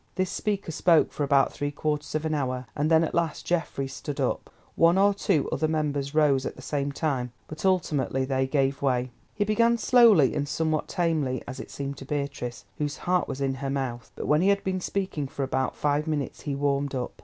This speaker spoke for about three quarters of an hour, and then at last Geoffrey stood up. One or two other members rose at the same time, but ultimately they gave way. He began slowly—and somewhat tamely, as it seemed to Beatrice, whose heart was in her mouth—but when he had been speaking for about five minutes, he warmed up.